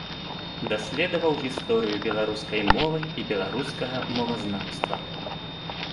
Даследаваў гісторыю беларускай мовы і беларускага мовазнаўства.